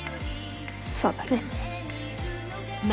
そうだね。